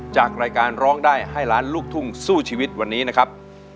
จากรายการร้องได้ให้ล้านลูกทุ่งสู้ชีวิตวันนี้นะครับ